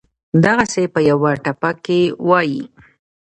دغسې پۀ يوه ټپه کښې وائي: